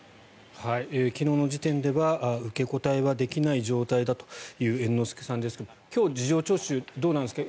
昨日の時点では受け答えはできない状態だという猿之助さんですけども今日、事情聴取どうなんですか？